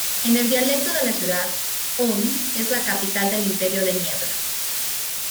En el dialecto de la ciudad, Ulm es la "capital del imperio de niebla".